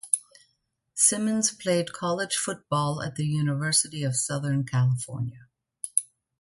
Simmons played college football at the University of Southern California.